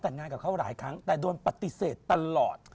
แต่งงานกับเขาหลายครั้งแต่โดนปฏิเสธตลอด